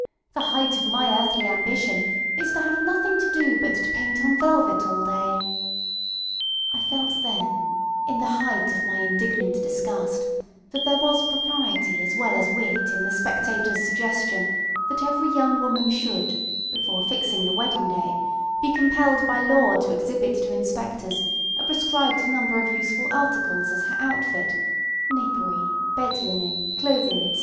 The height of my earthly ambition is to have nothing to do but to paint on velvet all day! ŌĆØ I felt then, in the height of my indignant disgust, that there was propriety as well as wit in the ŌĆ£SpectatorŌĆÖsŌĆØ suggestion that every young woman should, before fixing the wedding day, be compelled by law to exhibit to inspectors a prescribed number of useful articles as her outfitŌĆönapery, bed linen, clothing, etc.